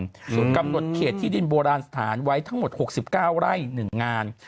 ส่วนกำหนดเขตที่ดินโบราณสถานไว้ทั้งหมด๖๙ไร่๑งาน